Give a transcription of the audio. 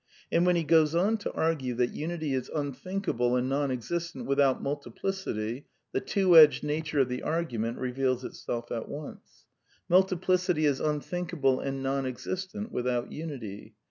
And when he goes on to argue that unity is imthinkable and non existent without multiplicity, the two edged nature of the argument reveals itself at once. Multiplicity is unthink able and non existent without unity.